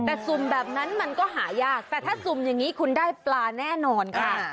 แต่สุ่มแบบนั้นมันก็หายากแต่ถ้าสุ่มอย่างนี้คุณได้ปลาแน่นอนค่ะ